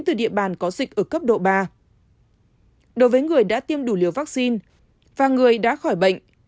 từ địa bàn có dịch ở cấp độ ba đối với người đã tiêm đủ liều vaccine và người đã khỏi bệnh